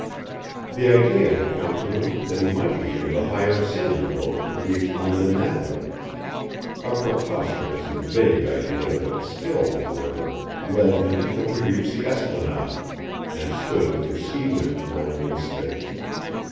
The idea had come to him that he might be able to hire a sailing boat and reach London that way, a preposterous and vague idea that still, however, led him till he reached the esplanade, and stood with the sea wind blowing in his face.